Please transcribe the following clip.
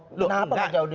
kenapa tidak jauh diserahkan